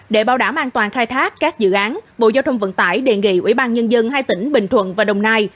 để bảo đảm an toàn khai thác các dự án bộ giao thông vận tải đề nghị ubnd hai tỉnh bình thuận và đồng nai